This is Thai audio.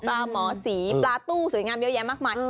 หมอสีปลาตู้สวยงามเยอะแยะมากมาย